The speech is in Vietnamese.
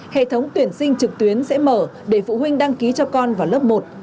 hệ thống tuyển sinh trực tuyến sẽ mở để phụ huynh đăng ký cho con vào lớp một